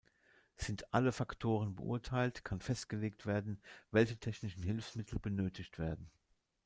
Sind alle Faktoren beurteilt, kann festgelegt werden, welche technischen Hilfsmittel benötigt werden.